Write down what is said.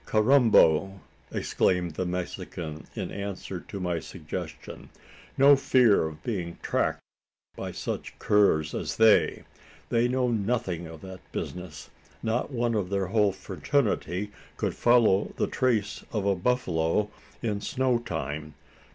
"Carrambo!" exclaimed the Mexican, in answer to my suggestion, "no fear of being tracked by such curs as they. They know nothing of that business. Not one of their whole fraternity could follow the trace of a buffalo in snow time.